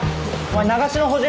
流しの補充